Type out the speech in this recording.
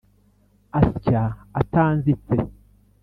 asya atanzitse